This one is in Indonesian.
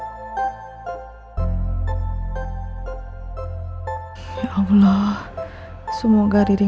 terus ini dia gak kehilanganuranganu ri propia